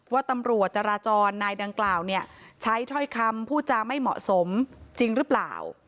ว่าตำรวจจราจรนายดังกล่าวเนี่ยใช้ถ้อยคำพูดจาไม่เหมาะสมจริงหรือเปล่า